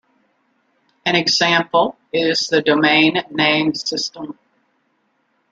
An example is the Domain Name System.